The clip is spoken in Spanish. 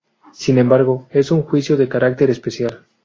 Sin embargo, es un juicio de carácter especial.